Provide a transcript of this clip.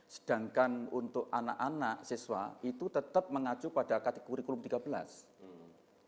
sedangkan untuk anak anak siswa itu tetap mengacu pada kategori kurikulum tiga belas